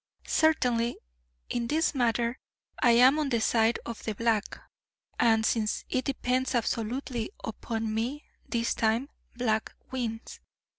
Certainly, in this matter I am on the side of the Black: and since it depends absolutely upon me, this time Black wins.